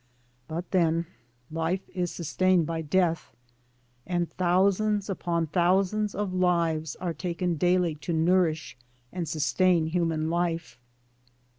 But then, "Life is sus tained by death." And thousands upon thousands of lives are taken daily to nourish and sustain human life.